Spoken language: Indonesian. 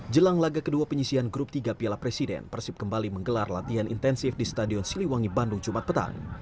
jelang laga kedua penyisian grup tiga piala presiden persib kembali menggelar latihan intensif di stadion siliwangi bandung jumat petang